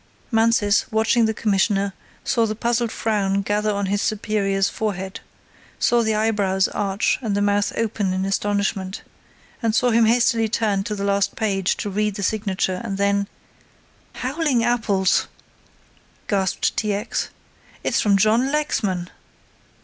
Mansus, watching the Commissioner, saw the puzzled frown gather on his superior's forehead, saw the eyebrows arch and the mouth open in astonishment, saw him hastily turn to the last page to read the signature and then: "Howling apples!" gasped T. X. "It's from John Lexman!"